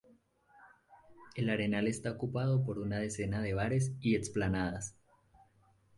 El arenal está ocupado por una decena de bares y explanadas.